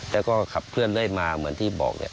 แล้วก็ขับเคลื่อนเรื่อยมาเหมือนที่บอกเนี่ย